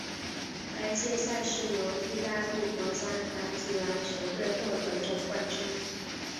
该届赛事由义大利国家男子篮球队获得总冠军。